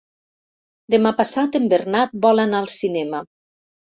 Demà passat en Bernat vol anar al cinema.